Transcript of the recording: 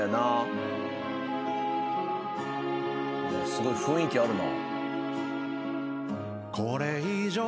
すごい雰囲気あるな。